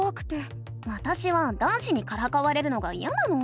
わたしは男子にからかわれるのがいやなの。